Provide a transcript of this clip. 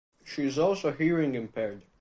She is also hearing impaired.